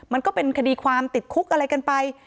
มันก็เป็นคดีความติดคุกอะไรกันไป